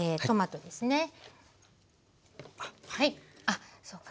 あっそうか。